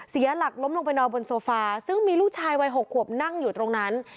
เสียหลักล้มลงไปนอนบนโซฟาซึ่งมีลูกชายวัย๖ขวบนั่งอยู่ตรงนั้น